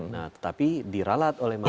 nah tetapi diralat oleh masyarakat